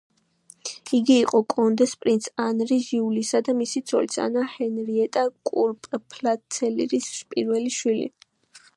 იგი იყო კონდეს პრინც ანრი ჟიულისა და მისი ცოლის, ანა ჰენრიეტა კურპფალცელის პირველი შვილი.